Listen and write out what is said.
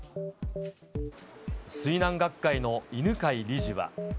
水難学会の犬飼理事は。